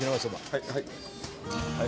はいはい。